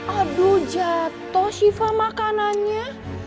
aduh jatoh syifa makanannya